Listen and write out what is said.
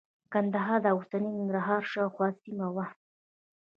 ګندهارا د اوسني ننګرهار شاوخوا سیمه وه